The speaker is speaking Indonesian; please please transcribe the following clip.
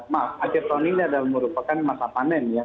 maaf akhir tahun ini adalah merupakan masa panen ya